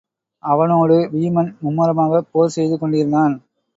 அவனோடு வீமன் மும்முரமாகப் போர் செய்து கொண்டிருந்தான்.